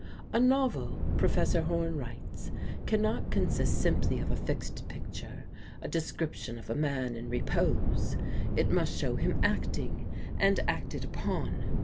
"A novel," Professor Horne writes, "cannot consist simply of a fixed picture, a description of a man in repose. It must show him acting and acted upon.